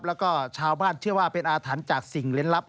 แล้วก็ชาวบ้านเชื่อว่าเป็นอาถรรพ์จากสิ่งเล่นลับ